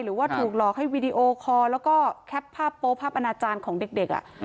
หรือว่าถูกหลอกให้วีดีโอคอร์แล้วก็แคปภาพโป๊ภาพอนาจารย์ของเด็ก